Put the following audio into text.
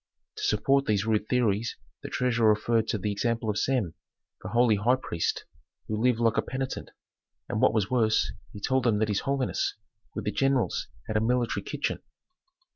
To support these rude theories the treasurer referred to the example of Sem, the holy high priest, who lived like a penitent, and what was worse, he told them that his holiness, with the generals, had a military kitchen.